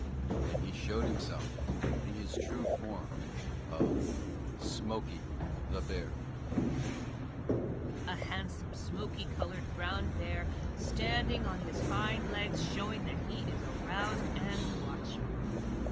And he showed himself in his true form of SMOKEY THE BEAR A handsome smokey colored brown bear standing on his hind legs, showing that he is aroused and watchful.